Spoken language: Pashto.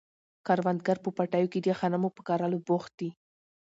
کروندګر په پټیو کې د غنمو په کرلو بوخت دي.